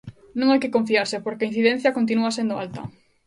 Non hai que confiarse porque a incidencia continúa sendo alta.